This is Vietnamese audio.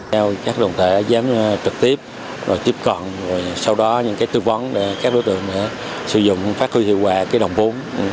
theo các đồng thể đã giám trực tiếp tiếp cận sau đó những tư vấn để các đối tượng sử dụng phát huy hiệu quả cái đồng vốn